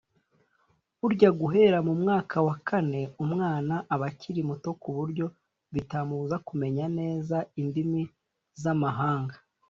Burya guhera mu mwaka wa kane umwana aba akiri muto ku buryo bitamubuza kumenya neza indimi z’amahanga